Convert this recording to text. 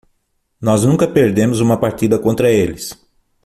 Nós nunca perdemos uma partida contra eles.